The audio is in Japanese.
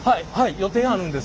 予定あるんです。